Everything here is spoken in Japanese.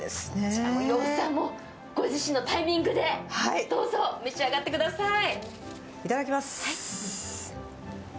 羊さん、ご自身のタイミングでどうぞ召し上がってください。